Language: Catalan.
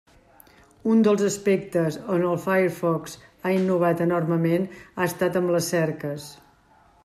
Un dels aspectes on el Firefox ha innovat enormement ha estat amb les cerques.